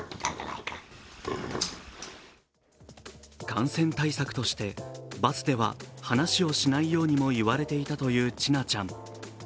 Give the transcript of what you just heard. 感染対策として、バスでは話をしないようにも言われていたという千奈ちゃん。